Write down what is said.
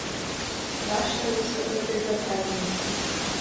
Ваше высокобезобразие!..